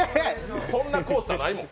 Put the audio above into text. そんなコースターないよ。